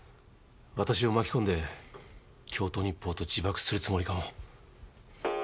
私を巻き込んで京都日報と自爆するつもりかも。